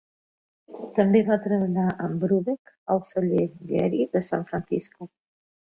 També va treballar amb Brubeck al celler Geary de San Francisco.